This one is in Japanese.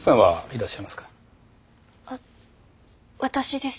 あ私です。